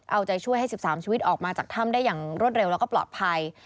เอาใจช่วยให้๑๓ชีวิตออกมาจากถ้ำได้อย่างรวดเร็วแล้วก็ปลอดภัย